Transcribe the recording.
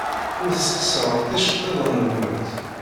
Ur tesxeṣremt iceḍḍiḍen-nwent.